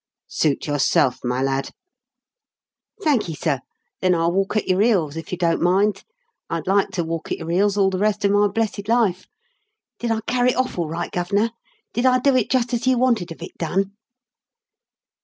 "Suit yourself, my lad." "Thanky, sir; then I'll walk at your heels, if you don't mind. I'd like to walk at your heels all the rest of my blessed life. Did I carry it off all right, Gov'nor? Did I do it jist as you wanted of it done?"